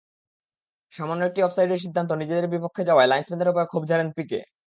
সামান্য একটি অফসাইডের সিদ্ধান্ত নিজেদের বিপক্ষে যাওয়ায় লাইনসম্যানের ওপর ক্ষোভ ঝাড়েন পিকে।